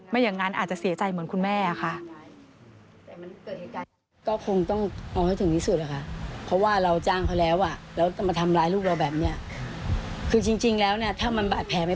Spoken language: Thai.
อย่างนั้นอาจจะเสียใจเหมือนคุณแม่ค่ะ